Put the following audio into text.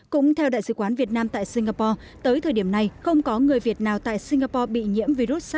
cũng theo đại sứ quán việt nam tại singapore tới thời điểm này không có người việt nào tại singapore bị nhiễm virus sars cov hai